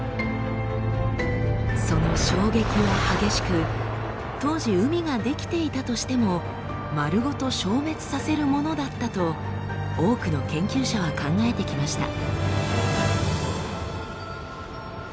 その衝撃は激しく当時海が出来ていたとしても丸ごと消滅させるものだったと多くの研究者は考えてきました。